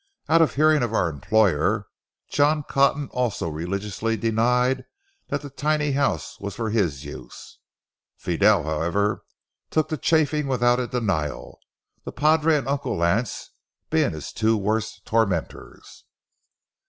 Out of hearing of our employer, John Cotton also religiously denied that the tiny house was for his use. Fidel, however, took the chaffing without a denial, the padre and Uncle Lance being his two worst tormentors.